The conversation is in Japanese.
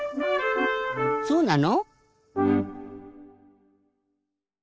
そうなの？